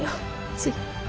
つい。